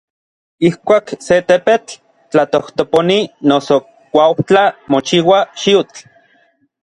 Ijkuak se tepetl tlatojtoponi noso kuaujtla mochiua xiutl.